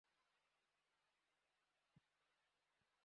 অনুষ্ঠানের পরদিন সকালে গুলজার নাশতার টেবিলে কথা বললেন প্রথম আলোর সঙ্গে।